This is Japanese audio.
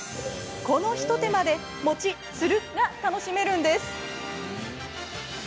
この一手間で、もちっ、つるっが楽しめるんです。